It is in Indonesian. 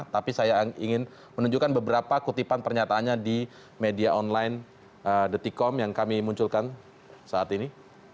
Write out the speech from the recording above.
tapi saya ingin menunjukkan beberapa kutipan pernyataannya di media online detikom yang kami munculkan saat ini